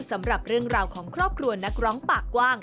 สำหรับเรื่องราวของครอบครัวนักร้องปากกว้าง